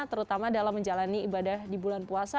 terutama dalam menjalani ibadah di bulan puasa